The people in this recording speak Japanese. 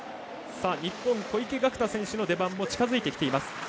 日本、小池岳太選手の出番も近づいてきています。